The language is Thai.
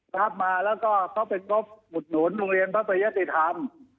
รับมาแล้วก็เขาเป็นงบอุดหนุนโรงเรียนพระพยติธรรม